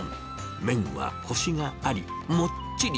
麺はこしがあり、もっちり。